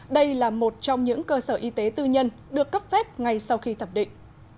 đây là một trong những cơ sở y tế tư nhân được cấp phép ngay sau khi thẩm định